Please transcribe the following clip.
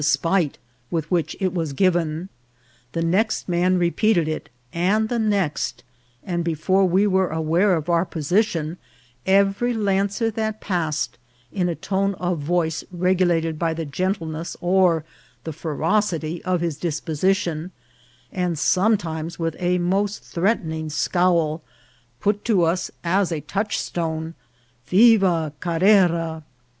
spite with which it was given ; the next man repeated it, and the next ; and before we were aware of our po sition, every lancer that passed, in a tone of voice reg ulated by the gentleness or the ferocity of his disposi tion, and sometimes with a most threatening scowl, put to us as a touchstone " Viva Carrera."